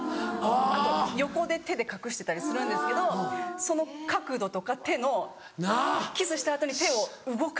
あと横で手で隠してたりするんですけどその角度とか手のキスした後に手を動かすとか。